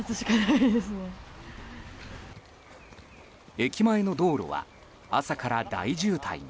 駅前の道路は朝から大渋滞に。